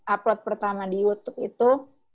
upload pertama di youtube itu